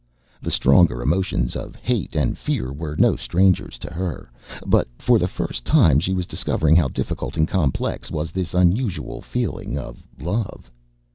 The stronger emotions of hate and fear were no strangers to her; but for the first time she was discovering how difficult and complex was this unusual feeling of love.